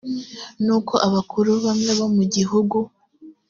nuko abakuru bamwe bo mu gihugu